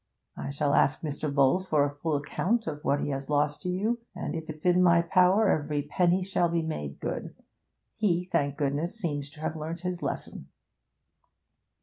I shall ask Mr. Bowles for a full account of what he has lost to you, and if it's in my power, every penny shall be made good. He, thank goodness, seems to have learnt his lesson.'